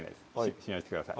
信用してください